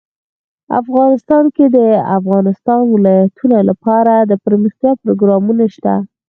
افغانستان کې د د افغانستان ولايتونه لپاره دپرمختیا پروګرامونه شته.